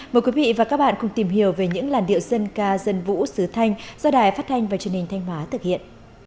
mời quý vị và các bạn cùng tìm hiểu về những làn điệu dân ca dân vũ sứ thanh do đài phát thanh và truyền hình thanh hóa thực hiện